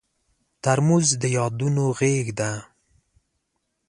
ترموز د یادونو غېږ ده.